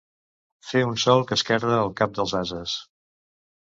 Fer un sol que esquerda el cap dels ases.